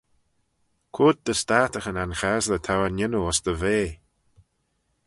Quoid dy startaghyn anchasley t'ou er n'yannoo ayns dty vea?